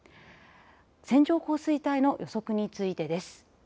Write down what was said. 線状降水帯の予測についてです。